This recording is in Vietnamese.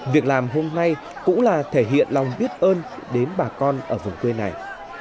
việc làm hôm nay cũng là thể hiện lòng biết ơn đến bà con ở vùng quê này